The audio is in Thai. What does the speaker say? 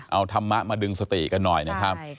เอาธรรมะมาดึงสติกันหน่อยนะครับ